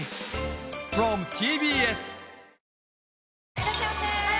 いらっしゃいませ！